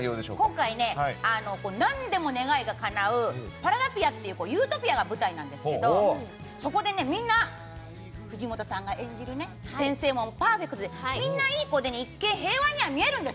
今回ね、何でも願いがかなうパラダピアっていうユートピアが舞台なんですけどそこで、藤本さんが演じる先生もパーフェクトでみんないい子で一見、平和に見えるんです。